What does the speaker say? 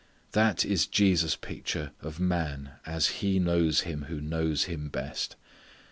That is Jesus' picture of man as He knows him who knows him best.